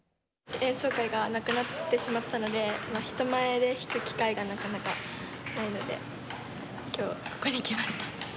演奏会がなくなってしまったので人前で弾く機会がなかなかないので今日はここに来ました。